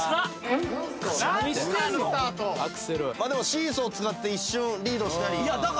シーソー使って一瞬リードしたり。